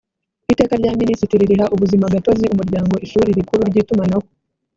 iteka rya minisitiri riha ubuzimagatozi umuryango ishuri rikuru ry itumanaho